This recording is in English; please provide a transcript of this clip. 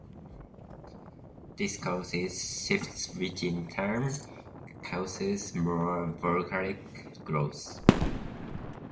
This causes shifts which in turn causes more volcanic growth.